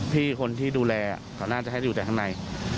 พี่คนที่ดูแลก่อน่าจะให้อยู่แถวข้างใน